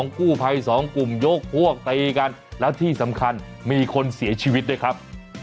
กู้ภัยสองกลุ่มยกพวกตีกันแล้วที่สำคัญมีคนเสียชีวิตด้วยครับ